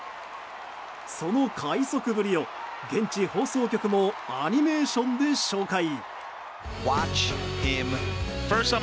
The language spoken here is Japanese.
その快速ぶりを現地放送局もアニメーションで紹介。